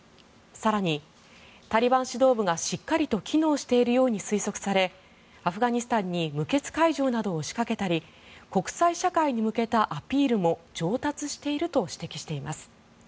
更にタリバン指導部がしっかりと機能しているように推測されアフガニスタンに無血開城などを仕掛けたり国際社会に向けたアピールも上達していると指摘しています。